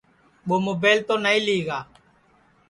ٻو مُبیل تو نائی لی گا